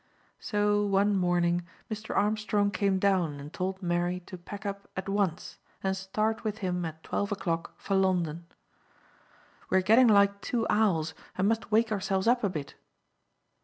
So one morning Mr. Armstrong came down and told Mary to pack up at once and start with him at twelve o'clock for London. "We are getting like two owls, and must wake ourselves up a bit."